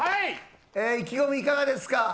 意気込みいかがですか。